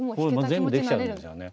全部できちゃうんですよね。